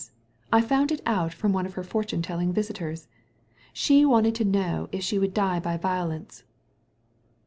I found it out from one of her fortune telling visitors. She wanted to know if she would die by violence."